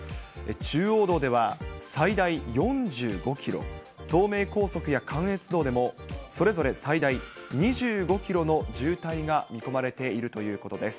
中央道では最大４５キロ、東名高速や関越道でもそれぞれ最大２５キロの渋滞が見込まれているということです。